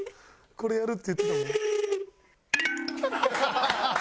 これやるって言ってたもん。